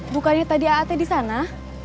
bukannya tadi a a t disana